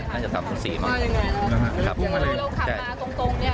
น่าจะสามสุดสี่มากปุ้งมาเลยเราขับมาตรงเนี่ยรอไฟแดงอยู่